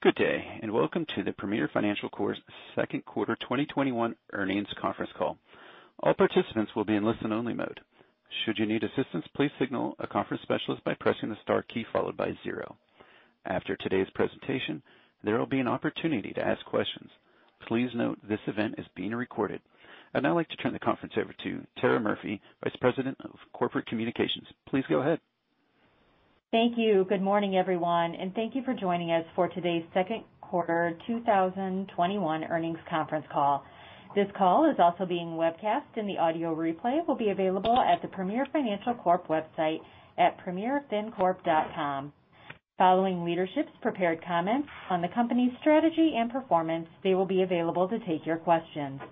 Good day. Welcome to the Premier Financial Corp.'s second quarter 2021 earnings conference call. All participants will be in listen only mode. Should you need assistance, please signal a conference specialist by pressing the star key followed by zero. After today's presentation, there will be an opportunity to ask questions. Please note this event is being recorded. I'd now like to turn the conference over to Tera Murphy, Vice President of Corporate Communications. Please go ahead. Thank you. Good morning, everyone, and thank you for joining us for today's second quarter 2021 earnings conference call. This call is also being webcast and the audio replay will be available at the Premier Financial Corp. website at premierfincorp.com. Following leadership's prepared comments on the company's strategy and performance, they will be available to take your questions.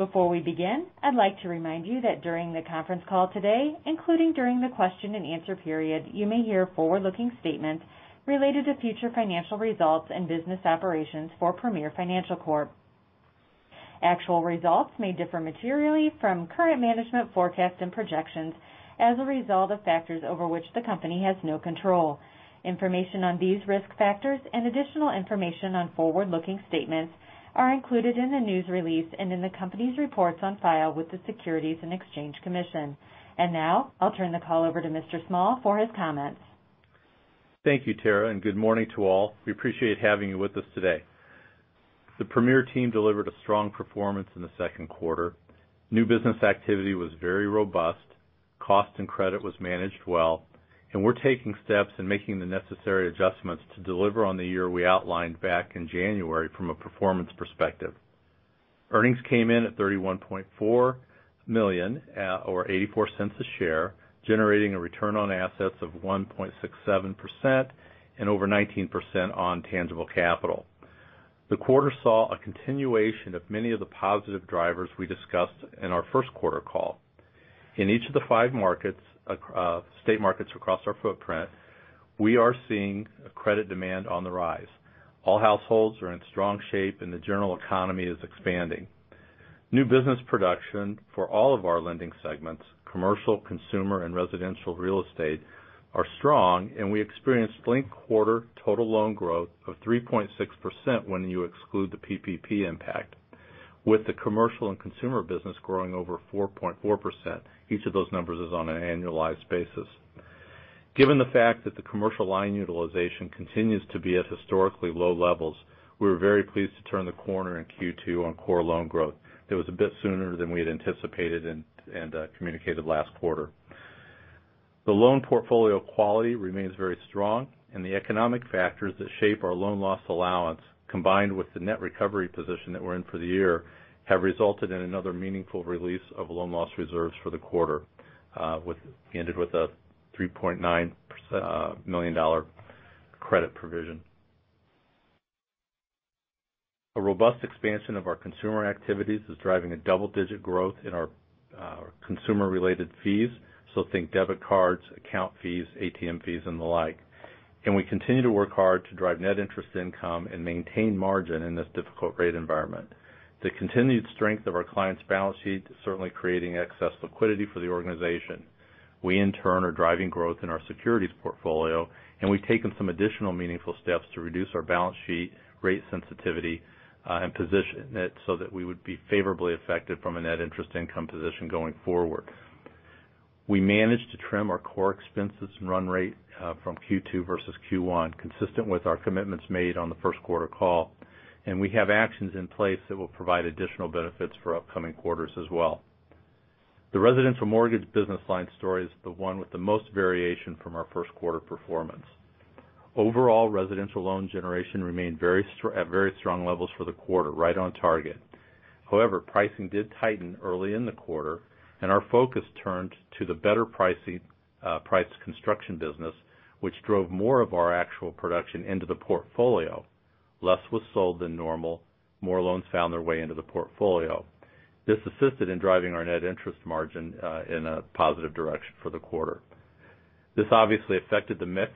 Before we begin, I'd like to remind you that during the conference call today, including during the question and answer period, you may hear forward-looking statements related to future financial results and business operations for Premier Financial Corp. Actual results may differ materially from current management forecasts and projections as a result of factors over which the company has no control. Information on these risk factors and additional information on forward-looking statements are included in the news release and in the company's reports on file with the Securities and Exchange Commission. Now, I'll turn the call over to Gary Small for his comments. Thank you, Tera, and good morning to all. We appreciate having you with us today. The Premier team delivered a strong performance in the second quarter. New business activity was very robust. Cost and credit was managed well, and we're taking steps and making the necessary adjustments to deliver on the year we outlined back in January from a performance perspective. Earnings came in at $31.4 million, or $0.84 a share, generating a return on assets of 1.67% and over 19% on tangible capital. The quarter saw a continuation of many of the positive drivers we discussed in our first quarter call. In each of the five state markets across our footprint, we are seeing a credit demand on the rise. All households are in strong shape and the general economy is expanding. New business production for all of our lending segments, commercial, consumer, and residential real estate, are strong and we experienced linked quarter total loan growth of 3.6% when you exclude the PPP impact, with the commercial and consumer business growing over 4.4%. Each of those numbers is on an annualized basis. Given the fact that the commercial line utilization continues to be at historically low levels, we're very pleased to turn the corner in Q2 on core loan growth. It was a bit sooner than we had anticipated and communicated last quarter. The loan portfolio quality remains very strong and the economic factors that shape our loan loss allowance, combined with the net recovery position that we're in for the year, have resulted in another meaningful release of loan loss reserves for the quarter. We ended with a $3.9 million credit provision. A robust expansion of our consumer activities is driving a double-digit growth in our consumer related fees. Think debit cards, account fees, ATM fees and the like. We continue to work hard to drive net interest income and maintain margin in this difficult rate environment. The continued strength of our clients' balance sheet is certainly creating excess liquidity for the organization. We in turn, are driving growth in our securities portfolio, and we've taken some additional meaningful steps to reduce our balance sheet rate sensitivity, and position it so that we would be favorably affected from a net interest income position going forward. We managed to trim our core expenses and run rate from Q2 versus Q1, consistent with our commitments made on the first quarter call. We have actions in place that will provide additional benefits for upcoming quarters as well. The residential mortgage business line story is the one with the most variation from our first quarter performance. Overall, residential loan generation remained at very strong levels for the quarter, right on target. However, pricing did tighten early in the quarter, and our focus turned to the better priced construction business, which drove more of our actual production into the portfolio. Less was sold than normal. More loans found their way into the portfolio. This assisted in driving our net interest margin in a positive direction for the quarter. This obviously affected the mix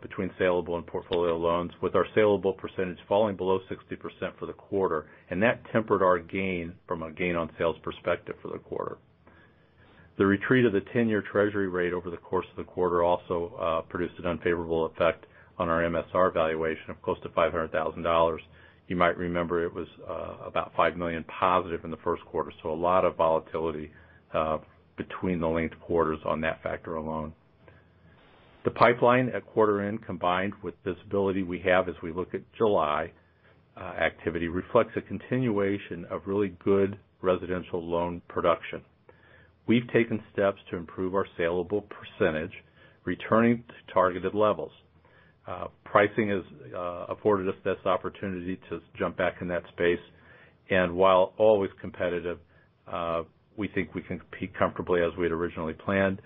between saleable and portfolio loans, with our saleable percentage falling below 60% for the quarter, and that tempered our gain from a gain on sales perspective for the quarter. The retreat of the 10-year treasury rate over the course of the quarter also produced an unfavorable effect on our MSR valuation of close to $500,000. You might remember it was about $5 million positive in the first quarter. A lot of volatility between the linked quarters on that factor alone. The pipeline at quarter end, combined with visibility we have as we look at July activity, reflects a continuation of really good residential loan production. We've taken steps to improve our saleable percentage, returning to targeted levels. Pricing has afforded us this opportunity to jump back in that space. While always competitive, we think we can compete comfortably as we had originally planned.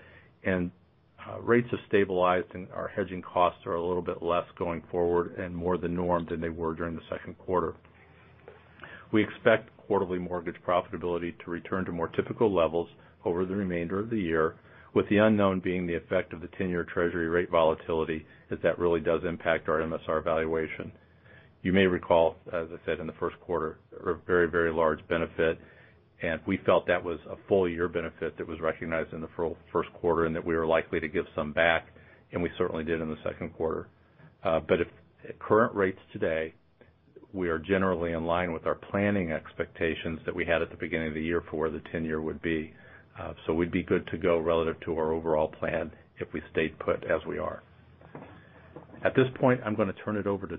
Rates have stabilized and our hedging costs are a little bit less going forward and more the norm than they were during the second quarter. We expect quarterly mortgage profitability to return to more typical levels over the remainder of the year, with the unknown being the effect of the 10-year treasury rate volatility, as that really does impact our MSR valuation. You may recall, as I said in the first quarter, a very, very large benefit, and we felt that was a full year benefit that was recognized in the first quarter and that we were likely to give some back, and we certainly did in the second quarter. At current rates today, we are generally in line with our planning expectations that we had at the beginning of the year for where the 10-year would be. We'd be good to go relative to our overall plan if we stayed put as we are. At this point, I'm going to turn it over to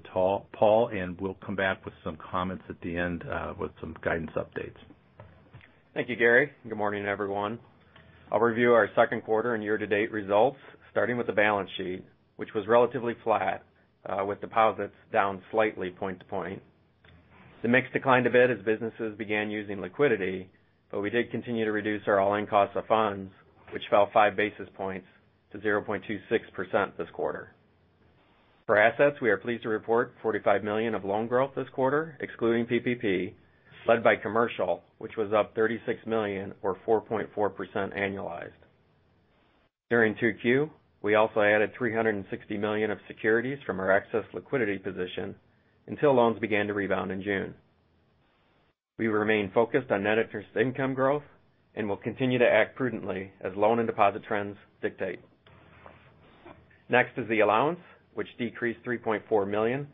Paul, and we'll come back with some comments at the end with some guidance updates. Thank you, Gary. Good morning, everyone. I'll review our second quarter and year-to-date results, starting with the balance sheet, which was relatively flat, with deposits down slightly point to point. The mix declined a bit as businesses began using liquidity, but we did continue to reduce our all-in cost of funds, which fell five basis points to 0.26% this quarter. For assets, we are pleased to report $45 million of loan growth this quarter, excluding PPP, led by commercial, which was up $36 million or 4.4% annualized. During 2Q, we also added $360 million of securities from our excess liquidity position until loans began to rebound in June. We remain focused on net interest income growth and will continue to act prudently as loan and deposit trends dictate. Next is the allowance, which decreased $3.4 million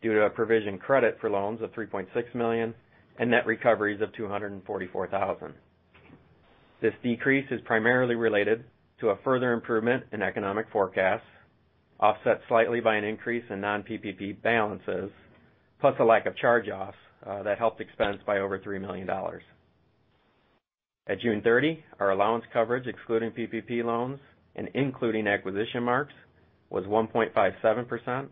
due to a provision credit for loans of $3.6 million and net recoveries of $244,000. This decrease is primarily related to a further improvement in economic forecasts, offset slightly by an increase in non-PPP balances, plus a lack of charge-offs that helped expense by over $3 million. At June 30, our allowance coverage, excluding PPP loans and including acquisition marks, was 1.57%,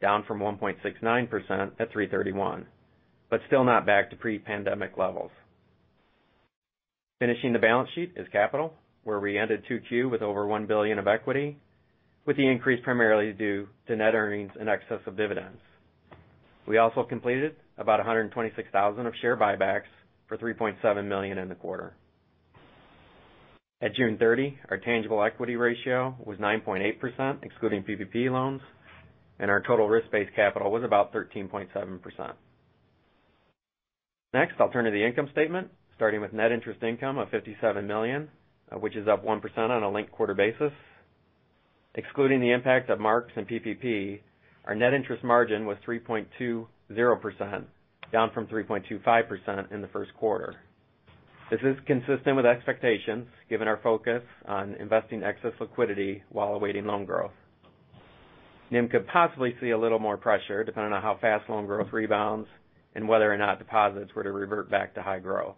down from 1.69% at 3/31, but still not back to pre-pandemic levels. Finishing the balance sheet is capital, where we ended 2Q with over $1 billion of equity, with the increase primarily due to net earnings in excess of dividends. We also completed about 126,000 of share buybacks for $3.7 million in the quarter. At June 30, our tangible equity ratio was 9.8%, excluding PPP loans, and our total risk-based capital was about 13.7%. Next, I'll turn to the income statement, starting with net interest income of $57 million, which is up 1% on a linked quarter basis. Excluding the impact of marks and PPP, our net interest margin was 3.20%, down from 3.25% in the first quarter. This is consistent with expectations given our focus on investing excess liquidity while awaiting loan growth. NIM could possibly see a little more pressure depending on how fast loan growth rebounds and whether or not deposits were to revert back to high growth.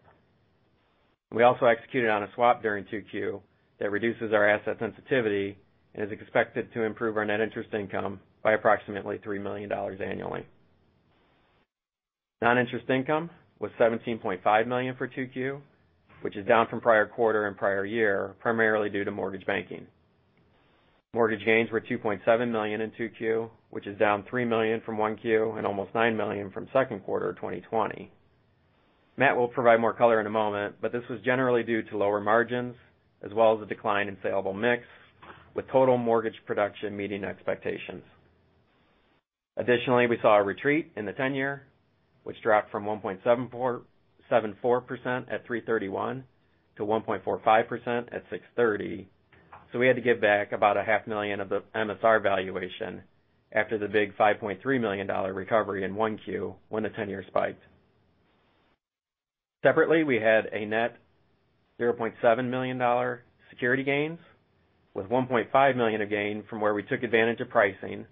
We also executed on a swap during 2Q that reduces our asset sensitivity and is expected to improve our net interest income by approximately $3 million annually. Non-interest income was $17.5 million for 2Q, which is down from prior quarter and prior year, primarily due to mortgage banking. Mortgage gains were $2.7 million in 2Q, which is down $3 million from 1Q and almost $9 million from second quarter of 2020. Matt will provide more color in a moment. This was generally due to lower margins as well as a decline in saleable mix with total mortgage production meeting expectations. Additionally, we saw a retreat in the tenure, which dropped from 1.74% at 3/31 to 1.45% at 6/30. We had to give back about a half million of the MSR valuation after the big $5.3 million recovery in 1Q when the tenure spiked. Separately, we had a net $0.7 million security gains, with $1.5 million of gain from where we took advantage of pricing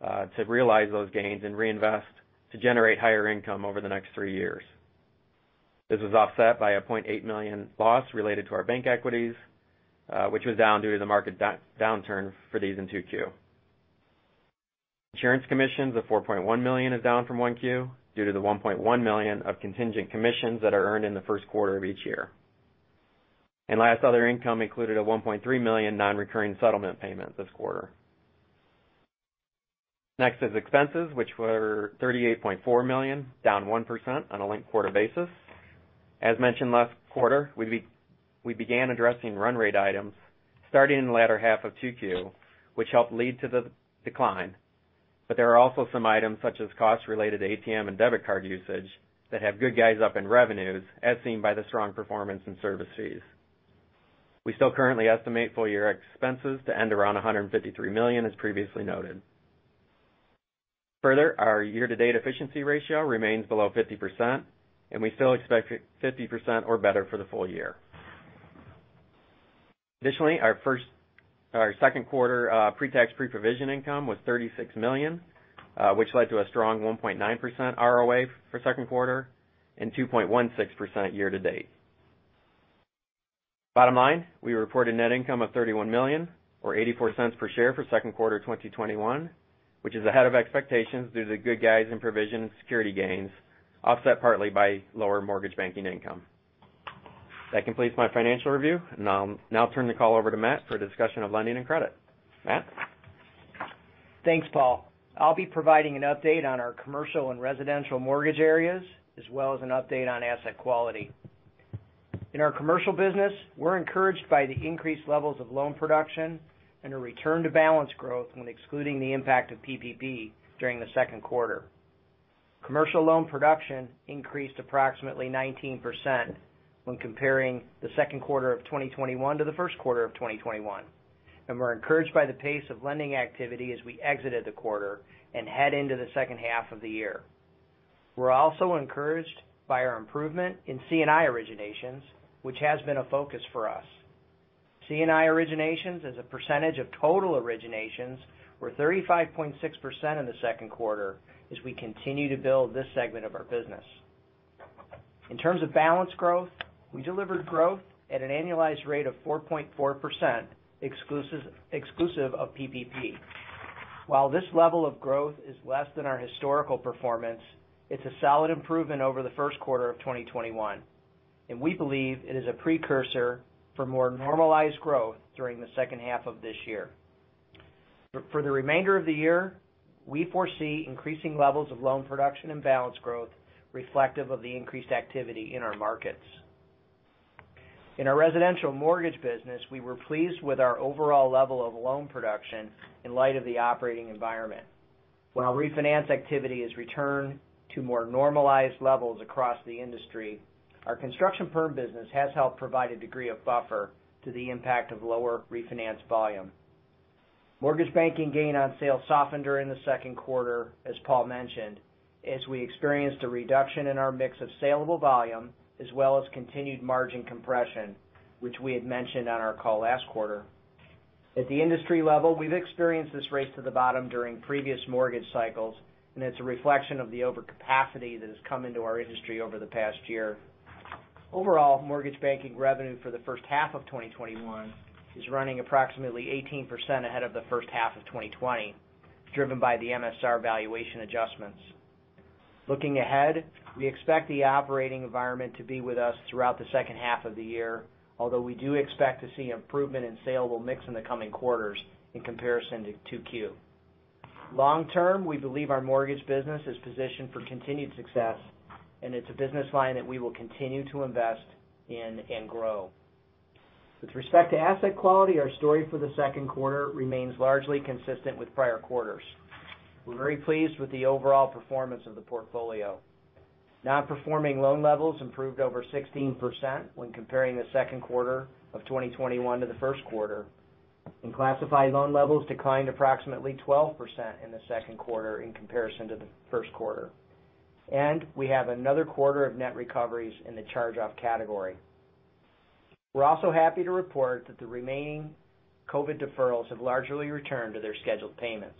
to realize those gains and reinvest to generate higher income over the next three years. This was offset by a $0.8 million loss related to our bank equities, which was down due to the market downturn for these in 2Q. Insurance commissions of $4.1 million is down from 1Q due to the $1.1 million of contingent commissions that are earned in the first quarter of each year. Last other income included a $1.3 million non-recurring settlement payment this quarter. Next is expenses, which were $38.4 million, down 1% on a linked quarter basis. As mentioned last quarter, we began addressing run rate items starting in the latter half of 2Q, which helped lead to the decline. There are also some items such as costs related to ATM and debit card usage that have good guys up in revenues as seen by the strong performance in service fees. We still currently estimate full year expenses to end around $153 million as previously noted. Our year-to-date efficiency ratio remains below 50%, and we still expect 50% or better for the full year. Our second quarter pre-tax, pre-provision income was $36 million, which led to a strong 1.9% ROA for second quarter and 2.16% year to date. We reported net income of $31 million or $0.84 per share for second quarter 2021, which is ahead of expectations due to good guys in provision and security gains, offset partly by lower mortgage banking income. That completes my financial review, and I'll now turn the call over to Matt for a discussion of lending and credit. Matt? Thanks, Paul. I'll be providing an update on our commercial and residential mortgage areas, as well as an update on asset quality. In our commercial business, we're encouraged by the increased levels of loan production and a return to balance growth when excluding the impact of PPP during the second quarter. Commercial loan production increased approximately 19% when comparing the second quarter of 2021 to the first quarter of 2021, and we're encouraged by the pace of lending activity as we exited the quarter and head into the second half of the year. We're also encouraged by our improvement in C&I originations, which has been a focus for us. C&I originations as a percentage of total originations were 35.6% in the second quarter as we continue to build this segment of our business. In terms of balance growth, we delivered growth at an annualized rate of 4.4%, exclusive of PPP. While this level of growth is less than our historical performance, it's a solid improvement over the first quarter of 2021. We believe it is a precursor for more normalized growth during the second half of this year. For the remainder of the year, we foresee increasing levels of loan production and balance growth reflective of the increased activity in our markets. In our residential mortgage business, we were pleased with our overall level of loan production in light of the operating environment. While refinance activity has returned to more normalized levels across the industry, our construction perm business has helped provide a degree of buffer to the impact of lower refinance volume. Mortgage banking gain on sale softened during the second quarter, as Paul mentioned, as we experienced a reduction in our mix of saleable volume, as well as continued margin compression, which we had mentioned on our call last quarter. At the industry level, we've experienced this race to the bottom during previous mortgage cycles, and it's a reflection of the overcapacity that has come into our industry over the past year. Overall, mortgage banking revenue for the first half of 2021 is running approximately 18% ahead of the first half of 2020, driven by the MSR valuation adjustments. Looking ahead, we expect the operating environment to be with us throughout the second half of the year, although we do expect to see improvement in saleable mix in the coming quarters in comparison to 2Q. Long term, we believe our mortgage business is positioned for continued success, and it's a business line that we will continue to invest in and grow. With respect to asset quality, our story for the second quarter remains largely consistent with prior quarters. We're very pleased with the overall performance of the portfolio. Non-performing loan levels improved over 16% when comparing the second quarter of 2021 to the first quarter, and classified loan levels declined approximately 12% in the second quarter in comparison to the first quarter. We have another quarter of net recoveries in the charge-off category. We're also happy to report that the remaining COVID deferrals have largely returned to their scheduled payments.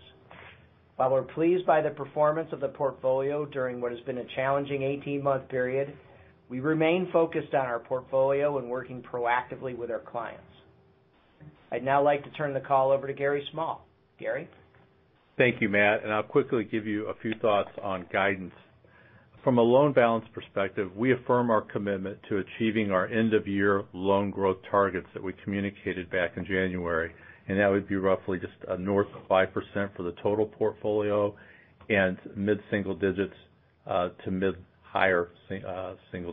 While we're pleased by the performance of the portfolio during what has been a challenging 18-month period, we remain focused on our portfolio and working proactively with our clients. I'd now like to turn the call over to Gary Small. Gary? Thank you, Matt, and I'll quickly give you a few thoughts on guidance. From a loan balance perspective, we affirm our commitment to achieving our end-of-year loan growth targets that we communicated back in January, and that would be roughly just north of 5% for the total portfolio and mid-single digits to mid-higher single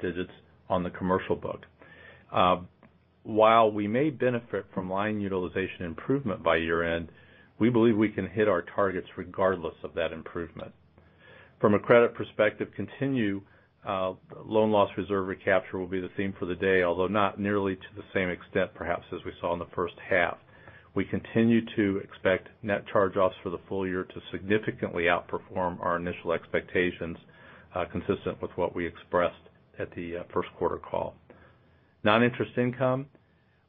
digits on the commercial book. While we may benefit from line utilization improvement by year-end, we believe we can hit our targets regardless of that improvement. From a credit perspective, continued loan loss reserve recapture will be the theme for the day, although not nearly to the same extent, perhaps, as we saw in the first half. We continue to expect net charge-offs for the full year to significantly outperform our initial expectations, consistent with what we expressed at the first quarter call. Non-interest income,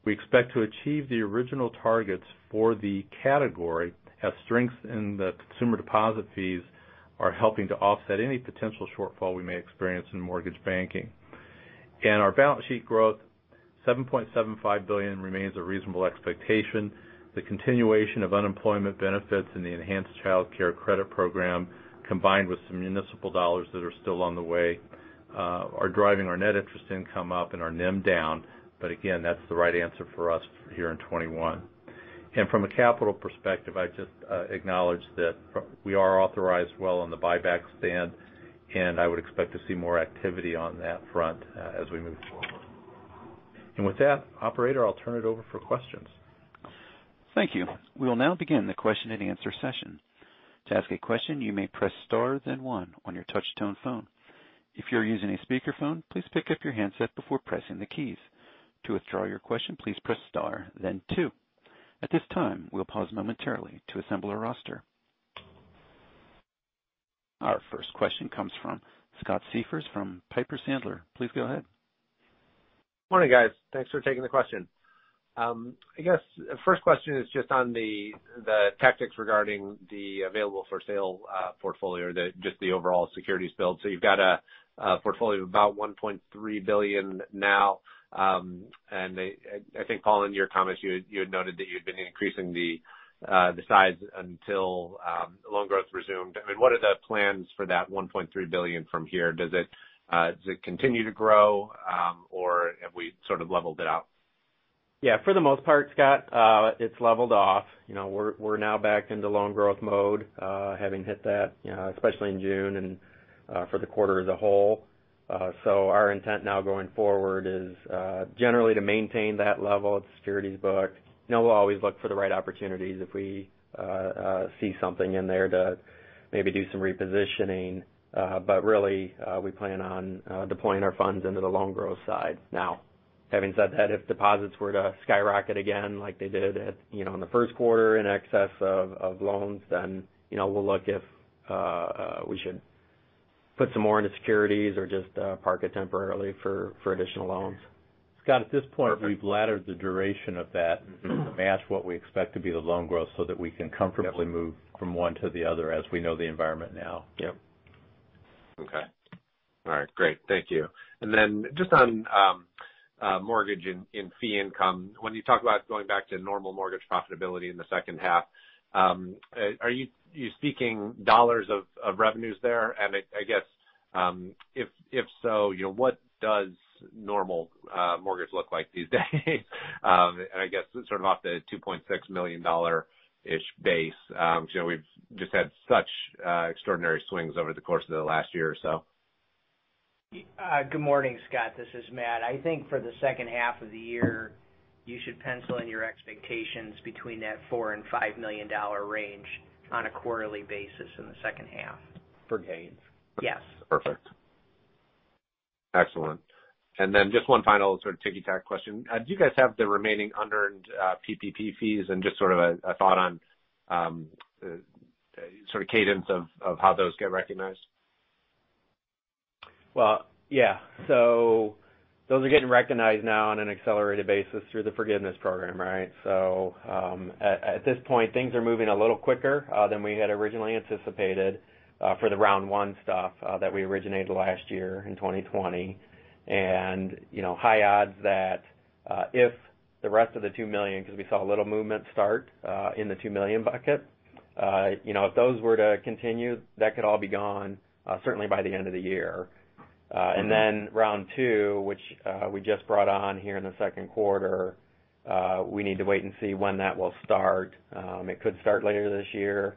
we expect to achieve the original targets for the category as strengths in the consumer deposit fees are helping to offset any potential shortfall we may experience in mortgage banking. Our balance sheet growth, $7.75 billion remains a reasonable expectation. The continuation of unemployment benefits and the enhanced childcare credit program, combined with some municipal dollars that are still on the way, are driving our net interest income up and our NIM down. Again, that's the right answer for us here in 2021. From a capital perspective, I'd just acknowledge that we are authorized well on the buyback stand, and I would expect to see more activity on that front as we move forward. With that, operator, I'll turn it over for questions. Thank you. We'll now begin the question and answer session. To ask a question, you may press star then one on your touch tone phone. If you're using a speakerphone, please pick up your handset before pressing the keys. To withdraw your question, please press star then two. At this time, we'll pause momentarily to assemble a roster. Our first question comes from Scott Siefers from Piper Sandler. Please go ahead. Morning, guys. Thanks for taking the question. I guess first question is just on the tactics regarding the available-for-sale portfolio, just the overall securities build. You've got a portfolio of about $1.3 billion now, and I think, Paul, in your comments, you had noted that you had been increasing the size until loan growth resumed. What are the plans for that $1.3 billion from here? Does it continue to grow, or have we sort of leveled it out? For the most part, Scott, it's leveled off. We're now back into loan growth mode, having hit that especially in June and for the quarter as a whole. Our intent now going forward is generally to maintain that level of securities book. We'll always look for the right opportunities if we see something in there to maybe do some repositioning. Really, we plan on deploying our funds into the loan growth side now. Having said that, if deposits were to skyrocket again like they did in the first quarter in excess of loans, we'll look if we should put some more into securities or just park it temporarily for additional loans. Scott, at this point, we've laddered the duration of that to match what we expect to be the loan growth so that we can comfortably move from one to the other as we know the environment now. Yep. Okay. All right, great. Thank you. Then just on mortgage and fee income, when you talk about going back to normal mortgage profitability in the second half, are you speaking dollars of revenues there? I guess, if so, what does normal mortgage look like these days, I guess sort of off the $2.6 million-ish base? We've just had such extraordinary swings over the course of the last year or so. Good morning, Scott. This is Matt. I think for the second half of the year, you should pencil in your expectations between that $4 and $5 million range on a quarterly basis in the second half. For gains? Yes. Perfect. Excellent. Just one final sort of ticky-tack question. Do you guys have the remaining unearned PPP fees and just sort of a thought on sort of cadence of how those get recognized? Well, yeah. Those are getting recognized now on an accelerated basis through the forgiveness program, right? At this point, things are moving a little quicker than we had originally anticipated for the round one stuff that we originated last year in 2020. High odds that if the rest of the $2 million, because we saw a little movement start in the $2 million bucket. If those were to continue, that could all be gone certainly by the end of the year. Round two, which we just brought on here in the second quarter, we need to wait and see when that will start. It could start later this year.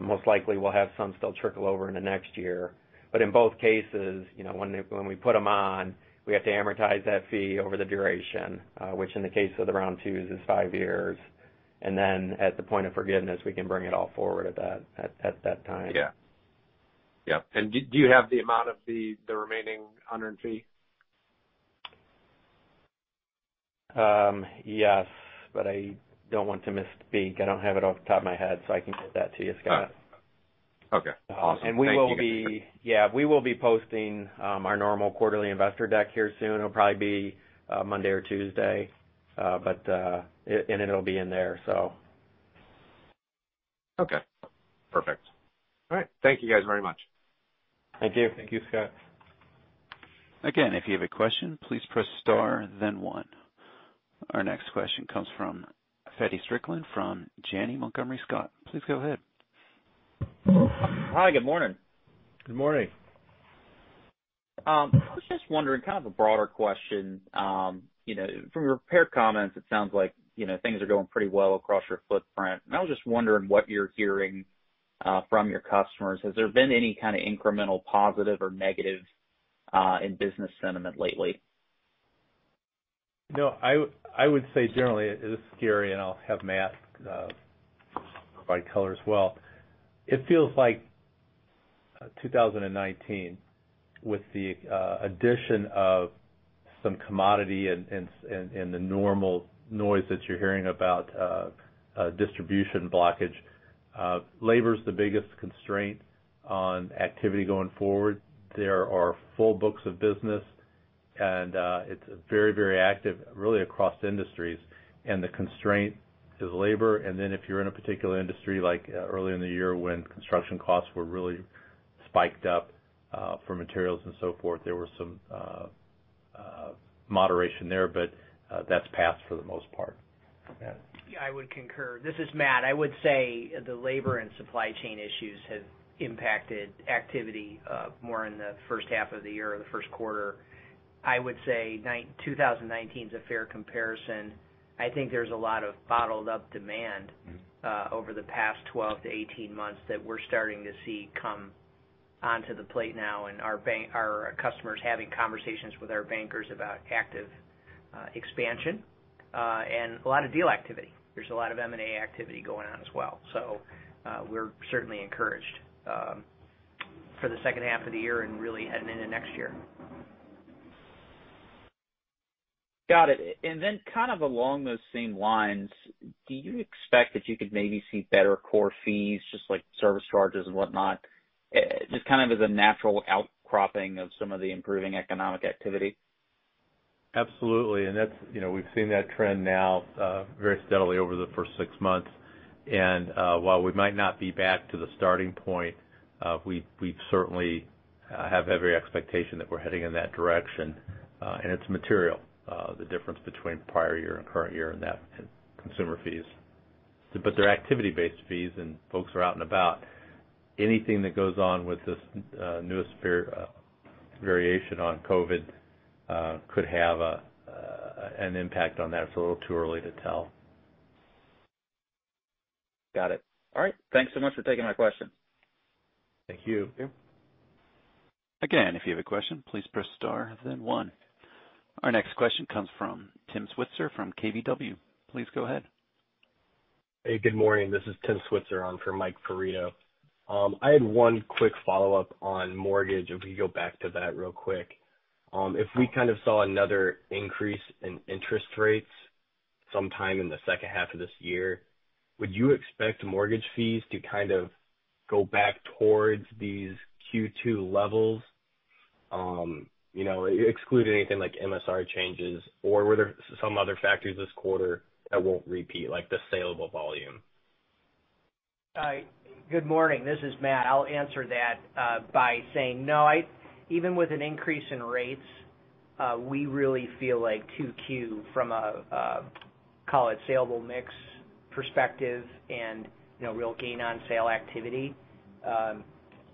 Most likely we'll have some still trickle over into next year. In both cases, when we put them on, we have to amortize that fee over the duration, which in the case of the round two's is five years. Then at the point of forgiveness, we can bring it all forward at that time. Yeah. Do you have the amount of the remaining unearned fee? Yes, but I don't want to misspeak. I don't have it off the top of my head, so I can get that to you, Scott. Okay, awesome. Thank you. Yeah. We will be posting our normal quarterly investor deck here soon. It'll probably be Monday or Tuesday. It'll be in there. Okay, perfect. All right. Thank you guys very much. Thank you. Thank you, Scott. Again, if you have a question, please press star then one. Our next question comes from Feddie Strickland from Janney Montgomery Scott. Please go ahead. Hi. Good morning. Good morning. I was just wondering, kind of a broader question. From your prepared comments, it sounds like things are going pretty well across your footprint, and I was just wondering what you're hearing from your customers. Has there been any kind of incremental positive or negative in business sentiment lately? No, I would say generally, this is Gary, and I'll have Matt provide color as well. It feels like 2019 with the addition of some commodity and the normal noise that you're hearing about distribution blockage. Labor's the biggest constraint on activity going forward. There are full books of business and it's very active really across industries, and the constraint is labor. Then if you're in a particular industry, like early in the year when construction costs were really spiked up for materials and so forth, there was some moderation there. That's passed for the most part. Matt? Yeah, I would concur. This is Matt. I would say the labor and supply chain issues have impacted activity more in the first half of the year or the first quarter. I would say 2019 is a fair comparison. I think there's a lot of bottled-up demand over the past 12 to 18 months that we're starting to see come onto the plate now and our customers having conversations with our bankers about active expansion, and a lot of deal activity. There's a lot of M&A activity going on as well. We're certainly encouraged for the second half of the year and really heading into next year. Got it. Kind of along those same lines, do you expect that you could maybe see better core fees, just like service charges and whatnot, just kind of as a natural outcropping of some of the improving economic activity? Absolutely. We've seen that trend now very steadily over the first six months. While we might not be back to the starting point, we certainly have every expectation that we're heading in that direction. It's material, the difference between prior year and current year in that consumer fees. But they're activity-based fees, and folks are out and about. Anything that goes on with this newest variation on COVID could have an impact on that. It's a little too early to tell. Got it. All right. Thanks so much for taking my question. Thank you. Thank you. Again, if you have a question, please press star, then one. Our next question comes from Tim Switzer from KBW. Please go ahead. Hey, good morning. This is Tim Switzer on for Michael Perito. I had one quick follow-up on mortgage, if we could go back to that real quick. If we kind of saw another increase in interest rates sometime in the second half of this year, would you expect mortgage fees to kind of go back towards these Q2 levels? Excluding anything like MSR changes, or were there some other factors this quarter that won't repeat, like the saleable volume? Good morning. This is Matt. I'll answer that by saying no. Even with an increase in rates, we really feel like 2Q from a, call it, saleable mix perspective and real gain-on-sale activity,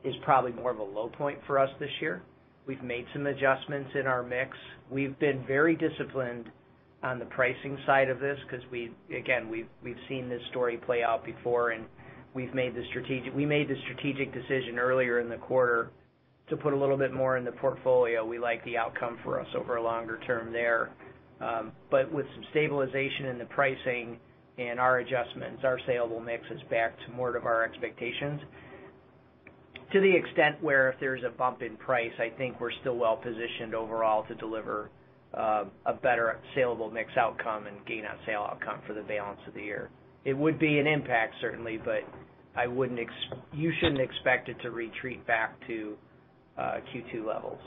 is probably more of a low point for us this year. We've made some adjustments in our mix. We've been very disciplined on the pricing side of this because again, we've seen this story play out before, and we made the strategic decision earlier in the quarter to put a little bit more in the portfolio. We like the outcome for us over a longer term there. With some stabilization in the pricing and our adjustments, our saleable mix is back to more of our expectations. To the extent where if there's a bump in price, I think we're still well-positioned overall to deliver a better saleable mix outcome and gain-on-sale outcome for the balance of the year. It would be an impact, certainly, but you shouldn't expect it to retreat back to Q2 levels.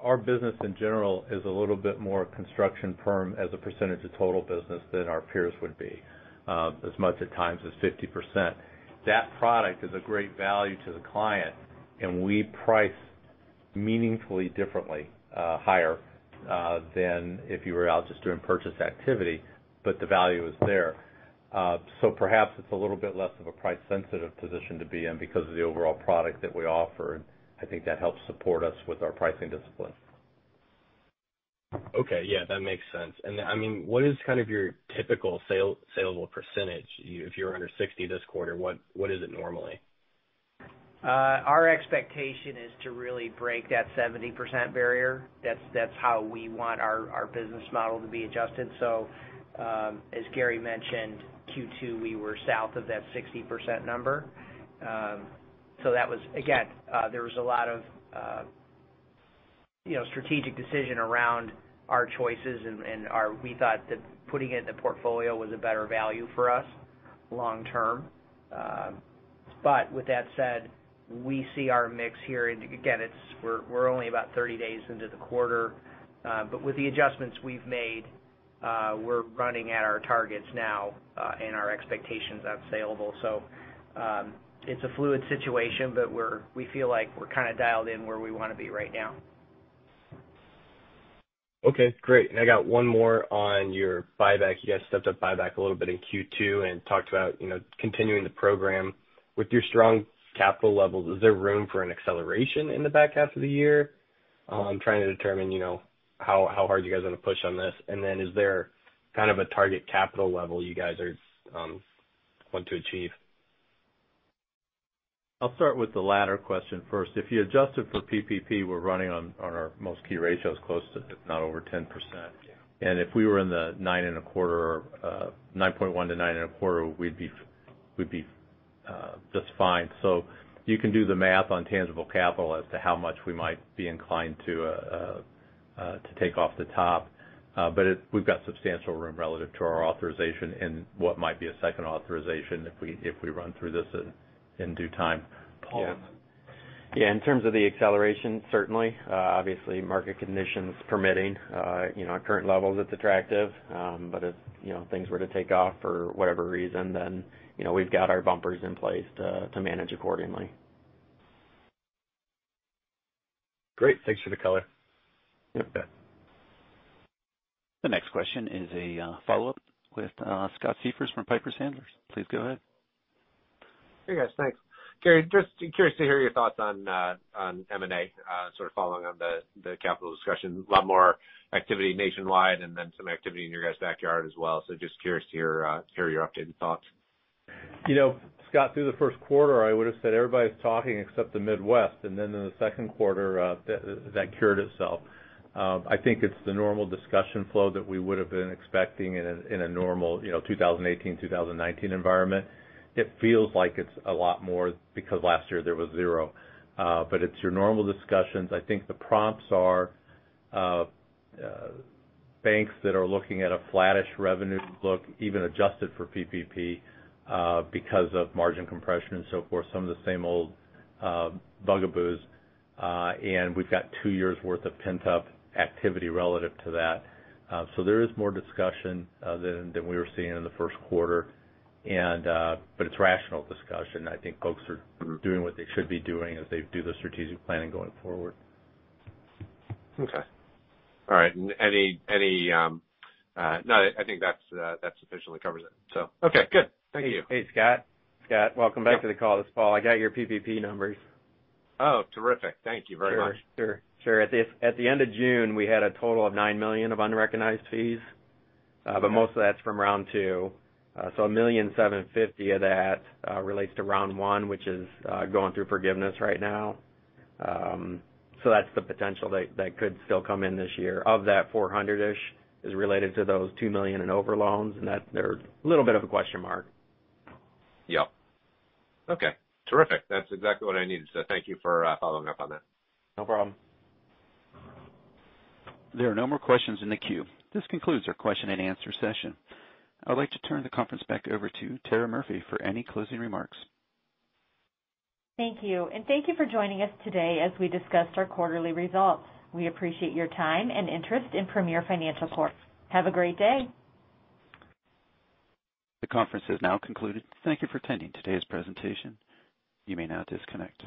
Our business, in general, is a little bit more construction firm as a percentage of total business than our peers would be, as much at times as 50%. That product is a great value to the client, and we price meaningfully differently higher than if you were out just doing purchase activity, but the value is there. Perhaps it's a little bit less of a price-sensitive position to be in because of the overall product that we offer. I think that helps support us with our pricing discipline. Okay. Yeah, that makes sense. What is your typical saleable percentage? If you're under 60 this quarter, what is it normally? Our expectation is to really break that 70% barrier. That's how we want our business model to be adjusted. As Gary mentioned, Q2, we were south of that 60% number. Again, there was a lot of strategic decision around our choices, and we thought that putting it in the portfolio was a better value for us long term. With that said, we see our mix here, and again, we're only about 30 days into the quarter. With the adjustments we've made, we're running at our targets now and our expectations on saleable. It's a fluid situation, but we feel like we're kind of dialed in where we want to be right now. Okay, great. I got one more on your buyback. You guys stepped up buyback a little bit in Q2 and talked about continuing the program. With your strong capital levels, is there room for an acceleration in the back half of the year? I'm trying to determine how hard you guys are going to push on this. Then is there kind of a target capital level you guys want to achieve? I'll start with the latter question first. If you adjusted for PPP, we're running on our most key ratios close to, if not over 10%. If we were in the 9.1%-9.25%, we'd be just fine. You can do the math on tangible capital as to how much we might be inclined to take off the top. We've got substantial room relative to our authorization and what might be a second authorization if we run through this in due time. Paul? Yeah. In terms of the acceleration, certainly. Obviously, market conditions permitting. At current levels, it's attractive. If things were to take off for whatever reason, then we've got our bumpers in place to manage accordingly. Great. Thanks for the color. Yep. You bet. The next question is a follow-up with Scott Siefers from Piper Sandler. Please go ahead. Hey, guys. Thanks. Gary, just curious to hear your thoughts on M&A, sort of following on the capital discussion. A lot more activity nationwide and then some activity in your guys' backyard as well. Just curious to hear your updated thoughts. Scott, through the first quarter, I would've said everybody's talking except the Midwest. Then in the second quarter, that cured itself. I think it's the normal discussion flow that we would've been expecting in a normal 2018, 2019 environment. It feels like it's a lot more because last year there was zero. It's your normal discussions. I think the prompts are banks that are looking at a flattish revenue look, even adjusted for PPP because of margin compression and so forth. Some of the same old bugaboos. We've got two years' worth of pent-up activity relative to that. There is more discussion than we were seeing in the first quarter. It's rational discussion. I think folks are doing what they should be doing as they do the strategic planning going forward. Okay. All right. No, I think that sufficiently covers it. Okay, good. Thank you. Hey, Scott, welcome back to the call. It's Paul. I got your PPP numbers. Oh, terrific. Thank you very much. Sure. At the end of June, we had a total of $9 million of unrecognized fees. Most of that's from round two. $1.75 million of that relates to round one, which is going through forgiveness right now. That's the potential that could still come in this year. Of that, $400-ish is related to those two million and over loans, and they're a little bit of a question mark. Yep. Okay, terrific. That's exactly what I needed. Thank you for following up on that. No problem. There are no more questions in the queue. This concludes our question and answer session. I would like to turn the conference back over to Tera Murphy for any closing remarks. Thank you. Thank you for joining us today as we discussed our quarterly results. We appreciate your time and interest in Premier Financial Corp. Have a great day. The conference has now concluded. Thank you for attending today's presentation. You may now disconnect.